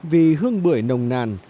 vì hương bưởi nồng nàn